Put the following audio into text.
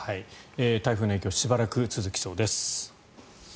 台風の影響しばらく続きそうです。